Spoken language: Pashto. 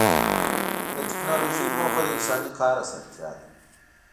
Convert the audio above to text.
د ټکنالوجۍ موخه د انساني کار اسانتیا ده.